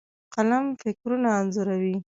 قلم فکرونه انځوروي.